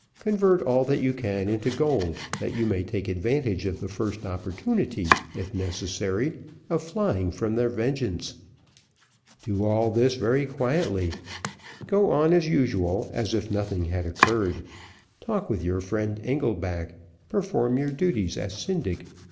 Convert all that you can into gold, that you may take advantage of the first opportunity, if necessary, of flying from their vengeance. Do all this very quietly. Go on, as usual, as if nothing had occurred talk with your friend Engelback perform your duties as syndic.